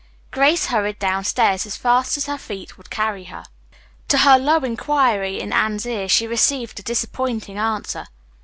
Grace hurried downstairs as fast as her feet would carry her. To her low inquiry in Anne's ear she received a disappointing answer.